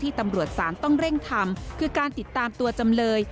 ตำรวจศาลต้องเร่งทำคือการติดตามตัวจำเลย